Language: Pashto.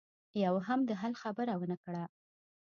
يوه هم د حل خبره ونه کړه.